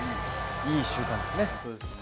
いい習慣ですね。